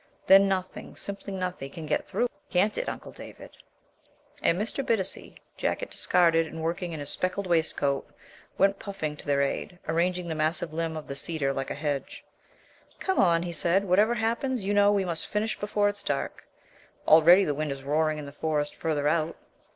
"Then nothing simply nothing can get through. Can't it, Uncle David?" And Mr. Bittacy, jacket discarded and working in his speckled waistcoat, went puffing to their aid, arranging the massive limb of the cedar like a hedge. "Come on," he said, "whatever happens, you know, we must finish before it's dark. Already the wind is roaring in the Forest further out."